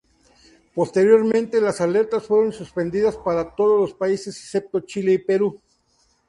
Posteriormente las alertas fueron suspendidas para todos los países excepto Chile y Perú.